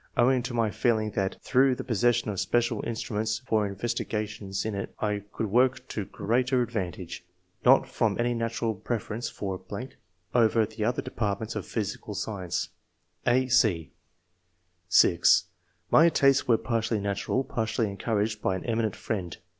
owing to my feeling that through the possession of special instruments for investiga tions in it, I could work to greater advantage ; 162 ENGLISH MEN OF SCIENCE. [chap. not from any natural preference for .... over the other departments of physical science/' (a, c) (6) " My tastes were partly natural, partly encouraged by an eminent friend